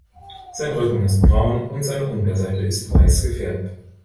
Sein Rücken ist braun und seine Unterseite ist weiß gefärbt.